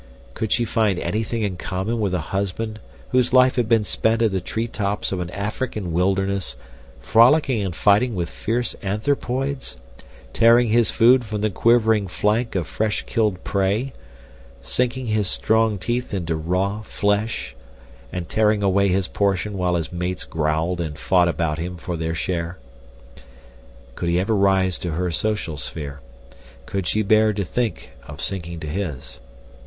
Could she find anything in common with a husband whose life had been spent in the tree tops of an African wilderness, frolicking and fighting with fierce anthropoids; tearing his food from the quivering flank of fresh killed prey, sinking his strong teeth into raw flesh, and tearing away his portion while his mates growled and fought about him for their share? Could he ever rise to her social sphere? Could she bear to think of sinking to his?